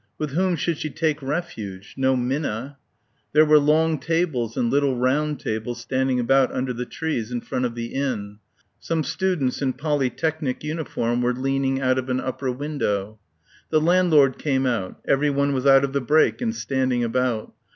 With whom should she take refuge? ... no Minna. There were long tables and little round tables standing about under the trees in front of the inn. Some students in Polytechnik uniform were leaning out of an upper window. The landlord came out. Everyone was out of the brake and standing about.